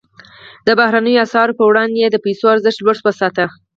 د بهرنیو اسعارو پر وړاندې یې د پیسو ارزښت لوړ وساته.